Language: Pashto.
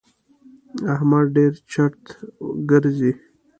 احمد ډېر چټ ګرځي.